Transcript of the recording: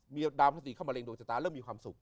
มีดาวพระศรีเข้ามาเร็งดวงชะตาเริ่มมีความสุข